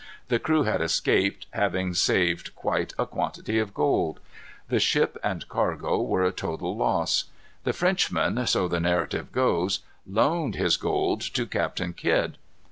The crew had escaped, having saved quite a quantity of gold. The ship and cargo were a total loss. The Frenchman, so the narrative goes, loaned this gold to Captain Kidd.